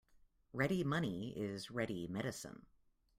Ready money is ready medicine.